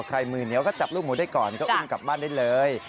มือเหนียวก็จับลูกหมูได้ก่อนก็อุ้มกลับบ้านได้เลย